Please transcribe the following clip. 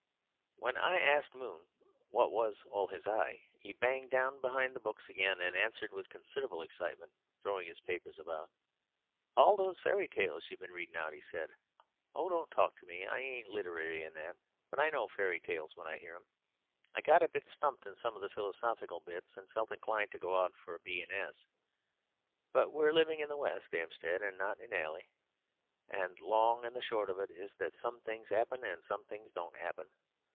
When asked by Moon what was all his eye, he banged down behind the books again and answered with considerable excitement, throwing his papers about. "All those fairy tales you've been reading out," he said. "Oh! don't talk to me! I ain't littery and that, but I know fairy tales when I hear 'em. I got a bit stumped in some of the philosophical bits and felt inclined to go out for a B. and S. But we're living in West 'Ampstead and not in 'Ell; and the long and the short of it is that some things 'appen and some things don't 'appen.